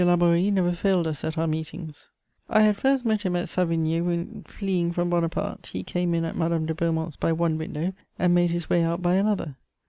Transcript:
Laborie never failed us at our meetings: I had first met him at Savigny when, fleeing from Bonaparte, he came in at Madame de Beaumont's by one window and made his way out by another.